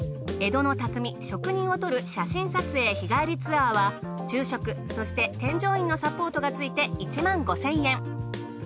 江戸の匠職人を撮る写真撮影日帰りツアーは昼食そして添乗員のサポートがついて１５，０００円。